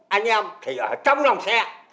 hai nghìn hai mươi một anh em thì ở trong lòng xe